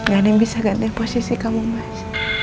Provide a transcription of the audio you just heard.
gak ada yang bisa ganti posisi kamu mas